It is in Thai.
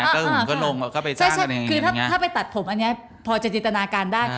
ถ้าไปตัดผมอันนี้พอจะนิตนาการได้